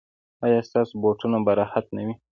ایا ستاسو بوټونه به راحت نه وي؟